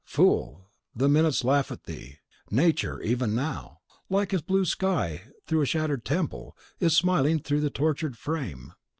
Fool! the minutes laugh at thee; Nature, even now, like a blue sky through a shattered temple, is smiling through the tortured frame.